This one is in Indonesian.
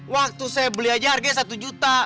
waktu saya beli aja harganya satu juta